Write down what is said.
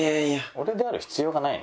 俺である必要がないの。